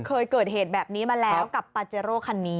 เคยเกิดเหตุแบบนี้มาแล้วกับปาเจโร่คันนี้